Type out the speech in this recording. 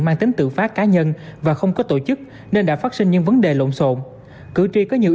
mang tính tự phát cá nhân và không có tổ chức nên đã phát sinh những vấn đề lộn xộn